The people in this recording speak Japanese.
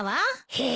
へえ。